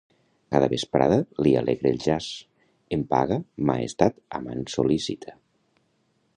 Cada vesprada li alegre el jaç. En paga, m'ha estat amant sol·lícita.